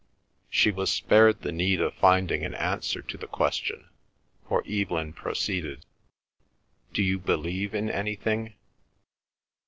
She was spared the need of finding an answer to the question, for Evelyn proceeded, "Do you believe in anything?"